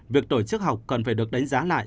việc tổ chức học cần phải được đánh giá lại